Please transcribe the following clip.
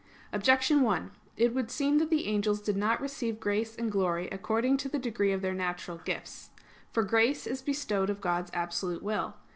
Objection 1: It would seem that the angels did not receive grace and glory according to the degree of their natural gifts. For grace is bestowed of God's absolute will.